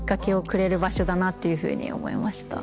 だなっていうふうに思いました。